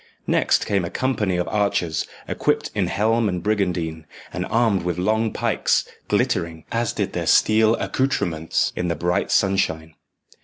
Next came a company of archers, equipped in helm and brigandine, and armed with long pikes, glittering, as did their steel accoutrements, in the bright sunshine.